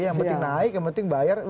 yang penting naik yang penting bayar